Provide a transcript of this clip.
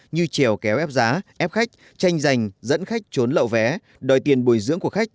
như trèo kéo ép giá ép khách tranh giành dẫn khách trốn lậu vé đòi tiền bồi dưỡng của khách